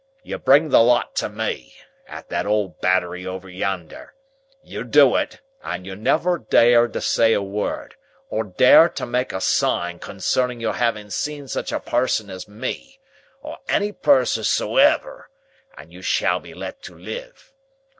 You bring the lot to me, at that old Battery over yonder. You do it, and you never dare to say a word or dare to make a sign concerning your having seen such a person as me, or any person sumever, and you shall be let to live.